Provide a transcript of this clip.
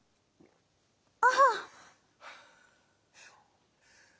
ああ。